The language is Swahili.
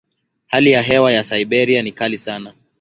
Hali ya hewa ya Siberia ni kali sana.